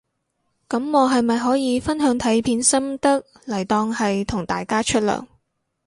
噉我係咪可以分享睇片心得嚟當係同大家出糧